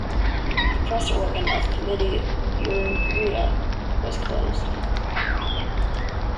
The press organ of the Committee, "Unirea" was closed.